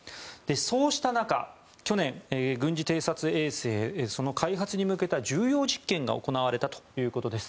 そうした中、去年軍事偵察衛星その開発に向けた重要実験が行われたということです。